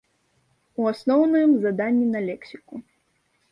У асноўным, заданні на лексіку.